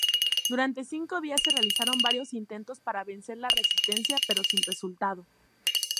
Durante cinco días se realizaron varios intentos para vencer la resistencia pero sin resultado.